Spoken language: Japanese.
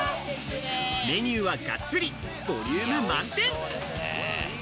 メニューはガッツリ、ボリューム満点。